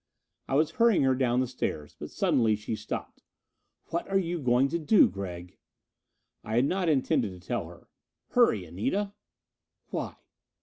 I was hurrying her down the stairs. But suddenly she stopped. "What are you going to do, Gregg?" I had not intended to tell her. "Hurry, Anita!" "Why?"